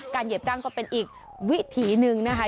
เหยียบจ้างก็เป็นอีกวิถีหนึ่งนะคะ